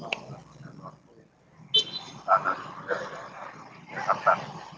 dengan orang orang yang sangat berhati hati di jakarta